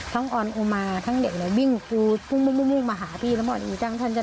ทั้งอ่อนอุมาทั้งเด็กหมุ่งมาหาพี่